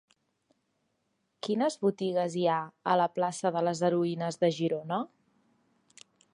Quines botigues hi ha a la plaça de les Heroïnes de Girona?